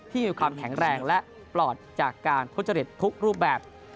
มีความแข็งแรงและปลอดจากการทุจริตทุกรูปแบบ